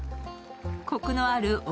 こくのある奥